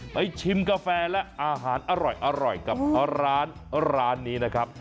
ชิมกาแฟและอาหารอร่อยกับร้านร้านนี้นะครับ